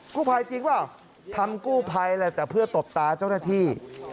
กู้พ่ายจริงป่าวทำกู้พ่ายแหละเพื่อตบตาเจ้าหน้าที่